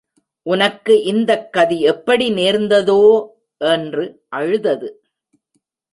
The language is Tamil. உனக்கு இந்தக் கதி எப்படி நேர்ந்ததோ! என்று அழுதது.